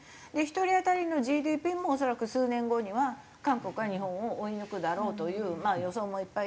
１人当たりのＧＤＰも恐らく数年後には韓国は日本を追い抜くだろうという予想もいっぱい出ていて。